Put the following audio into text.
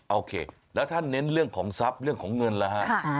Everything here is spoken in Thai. โอเคแล้วถ้าเน้นเรื่องของทรัพย์เรื่องของเงินล่ะฮะ